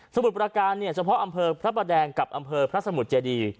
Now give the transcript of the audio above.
มุดประการเนี่ยเฉพาะอำเภอพระประแดงกับอำเภอพระสมุทรเจดี